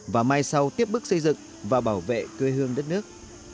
và mai sau tiếp bước xây dựng và bảo vệ quê hương đất nước